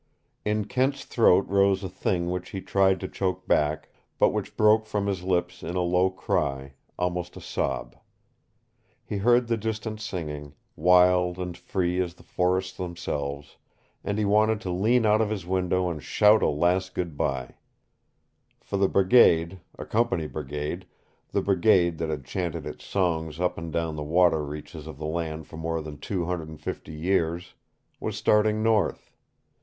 In Kent's throat rose a thing which he tried to choke back, but which broke from his lips in a low cry, almost a sob. He heard the distant singing, wild and free as the forests themselves, and he wanted to lean out of his window and shout a last good by. For the brigade a Company brigade, the brigade that had chanted its songs up and down the water reaches of the land for more than two hundred and fifty years was starting north.